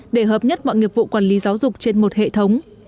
để hợp nhất mọi nghiệp vụ quản lý giáo dục trên một hệ thống